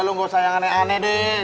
jangan lah lu sayang aneh dua deh